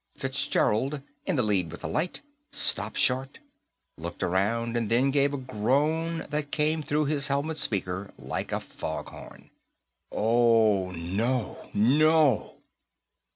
Fitzgerald, in the lead with the light, stopped short, looked around, and then gave a groan that came through his helmet speaker like a foghorn. "Oh, no! _No!